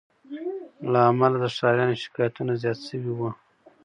له امله د ښاریانو شکایتونه زیات سوي وه